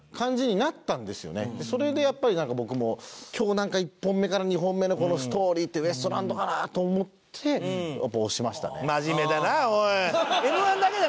それでやっぱりなんか僕も今日１本目から２本目のこのストーリーってウエストランドかなと思ってやっぱ押しましたね。